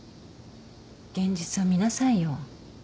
現実を見なさいよ。